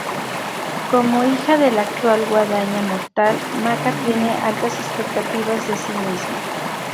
Como hija de la actual Guadaña Mortal, Maka tiene altas expectativas de sí misma.